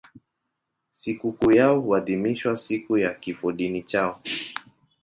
Sikukuu yao huadhimishwa siku ya kifodini chao.